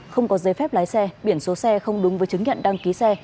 không có giấy phép lái xe biển số xe không đúng với chứng nhận đăng ký xe